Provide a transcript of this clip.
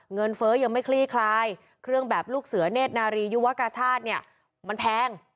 เฟ้อยังไม่คลี่คลายเครื่องแบบลูกเสือเนธนารียุวกาชาติเนี่ยมันแพง